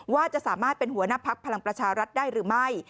ว่าจะสามารถเป็นหัวหน้าพักพลังประชารัฐได้หรือไม่